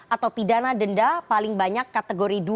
atau pidana denda paling banyak kategori dua